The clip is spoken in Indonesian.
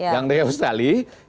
yang dari australia